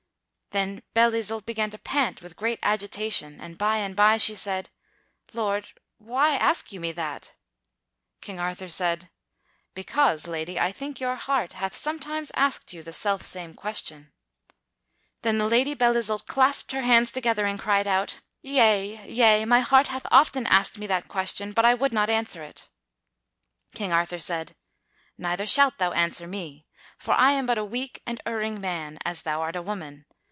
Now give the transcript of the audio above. Then Belle Isoult began to pant with great agitation, and by and by she said, "Lord, why ask you me that?" King Arthur said: "Because, lady, I think your heart hath sometimes asked you the selfsame question." Then the Lady Belle Isoult clasped her hands together and cried out: "Yea, yea, my heart hath often asked me that question, but I would not answer it." King Arthur said: "Neither shalt thou answer me, for I am but a weak and erring man as thou art a woman.